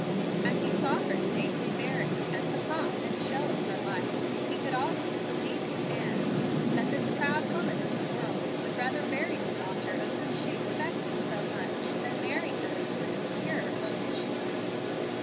As he saw her stately bearing, and the pomp and show of her life, he could almost believe his aunt, that this proud woman of the world would rather bury the daughter of whom she expected so much than marry her to an obscure home missionary.